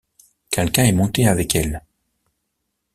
Quelqu’un est monté avec elle.